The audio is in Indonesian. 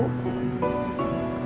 lo gak akan tau